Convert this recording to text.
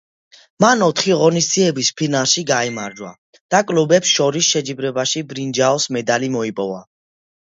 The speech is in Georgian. მან ოთხი ღონისძიების ფინალში გაიმარჯვა და კლუბებს შორის შეჯიბრებაში ბრინჯაოს მედალი მოიპოვა.